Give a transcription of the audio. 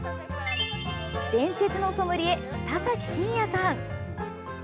伝説のソムリエ田崎真也さん。